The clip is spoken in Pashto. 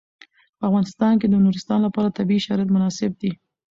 په افغانستان کې د نورستان لپاره طبیعي شرایط مناسب دي.